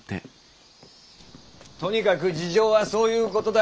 とにかく事情はそういうことだ。